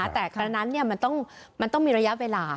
แต่ครั้งนั้นมันต้องมีระยะเวลา